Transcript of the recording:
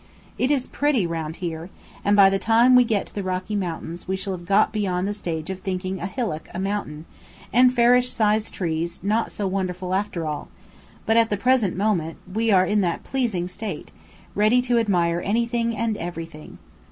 It is pretty round here; and by the time we get to the Rocky Mountains we shall have got beyond the stage of thinking a hillock a mountain, and fairish sized trees not so wonderful after all; but at the present moment we are in that pleasing state, ready to admire anything and everything.